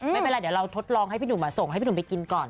ไม่เป็นไรเดี๋ยวเราทดลองให้พี่หนุ่มส่งให้พี่หนุ่มไปกินก่อน